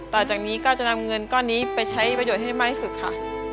ต่อจากนี้ก็จะนำเงินก้อนนี้ไปใช้ประโยชน์ให้ได้มากที่สุดค่ะ